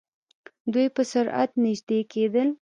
دوئ په سرعت نژدې کېدل.